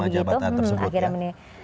menerima jabatan tersebut ya